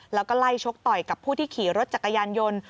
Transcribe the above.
แล้วก็ไล่ชกต่อยกับผู้ที่ขี่รถจักรยานยนต์